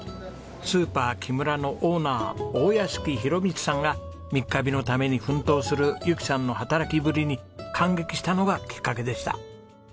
スーパーキムラのオーナー大屋敷裕通さんが三ヶ日のために奮闘するゆきさんの働きぶりに感激したのがきっかけでした。